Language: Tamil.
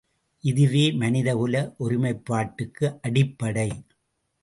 இதுவே மனிதகுல ஒருமைப்பாட்டுக்கு அடிப்படை.